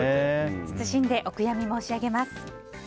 謹んでお悔やみ申し上げます。